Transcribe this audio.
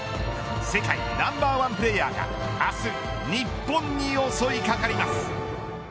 世界ナンバーワンプレーヤーが明日、日本に襲いかかります。